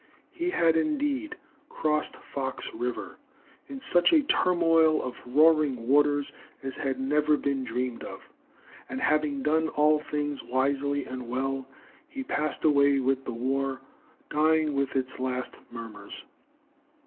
He had indeed "crossed Fox River" in such a turmoil of roaring waters as had never been dreamed of. And, having done all things wisely and well, he passed away with the war, dying with its last murmurs.